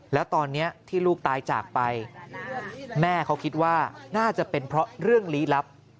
แล้วตอนนี้ที่ลูกตายจากไปแม่เขาคิดว่าน่าจะเป็นเพราะเรื่องลี้ลับ